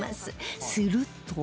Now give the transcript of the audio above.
すると